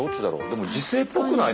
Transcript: でも自生っぽくない？